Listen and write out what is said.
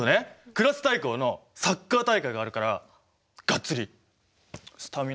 クラス対抗のサッカー大会があるからがっつりスタミナつけなきゃと思って。